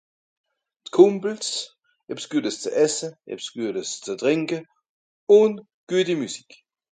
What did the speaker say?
d'kòmbels ebs guetes zu esse ebs guetes zu trìnke ùn gueti musique